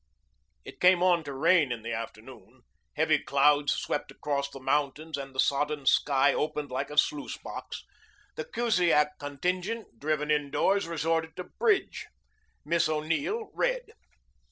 It came on to rain in the afternoon. Heavy clouds swept across from the mountains, and the sodden sky opened like a sluice box. The Kusiak contingent, driven indoors, resorted to bridge. Miss O'Neill read.